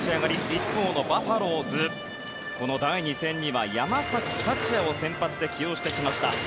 一方のバファローズこの第２戦には山崎福也を先発で起用してきました。